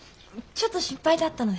ちょっと心配だったので。